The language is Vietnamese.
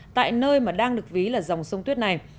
tại nơi mà đang được ví là dòng sông tuyết này